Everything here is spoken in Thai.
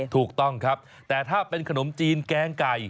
ถูกต้องครับแต่ถ้าเป็นขนมจีนแกงไก่